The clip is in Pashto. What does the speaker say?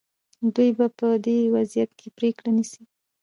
دوی به په دې وضعیت کې پرېکړه نیسي.